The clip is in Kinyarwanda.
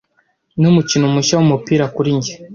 Numukino mushya wumupira kuri njye.